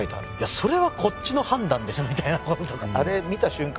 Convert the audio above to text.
それはこっちの判断でしょみたいなこととかあれ見た瞬間